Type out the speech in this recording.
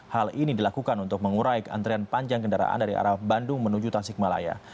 hal ini dilakukan untuk mengurai antrian panjang kendaraan dari arah bandung menuju tasikmalaya